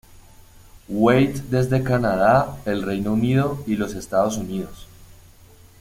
Wade desde Canadá, el Reino Unido, y los Estados Unidos.